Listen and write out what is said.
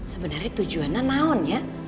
sebenarnya tujuannya naon ya